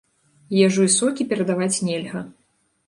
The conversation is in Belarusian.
Ежу і сокі перадаваць нельга.